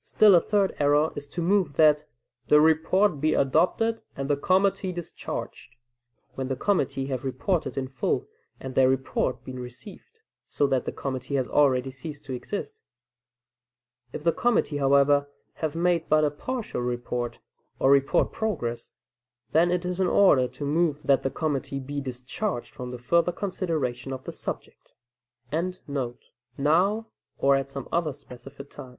Still a third error is to move that "the report be adopted and the committee discharged," when the committee have reported in full and their report been received, so that the committee has already ceased to exist. If the committee however have made but a partial report, or report progress, then it is in order to move that the committee be discharged from the further consideration of the subject.] now or at some other specified time.